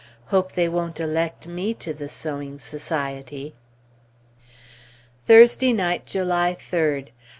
Hope they won't elect me to the sewing society! Thursday night, July 3d.